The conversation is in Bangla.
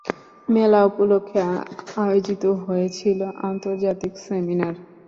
মেলা উপলক্ষে আয়োজিত হয়েছিলো আন্তর্জাতিক সেমিনার।